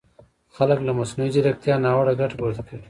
خلک له مصنوعي ځیرکیتا ناوړه ګټه پورته کوي!